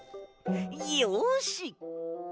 よし！